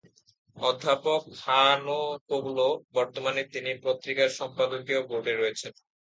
অধ্যাপক হানুকোগ্লু বর্তমানে তিনটি পত্রিকার সম্পাদকীয় বোর্ডে রয়েছেন।